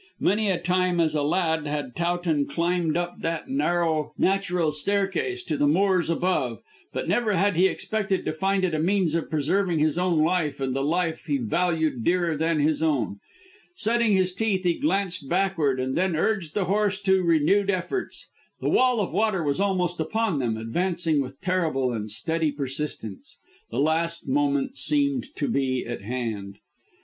Many a time as a lad had Towton climbed up that narrow natural staircase to the moors above, but never had he expected to find it a means of preserving his own life and the life he valued dearer than his own. Setting his teeth, he glanced backward and then urged the horse to renewed efforts. The wall of water was almost upon them, advancing with terrible and steady persistence. The last moment seemed to be at hand.